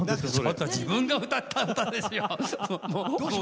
自分が歌った歌ですよ！